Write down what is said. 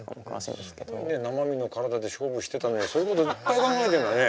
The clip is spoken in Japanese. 生身の体で勝負してたのにそういうこといっぱい考えてんだね。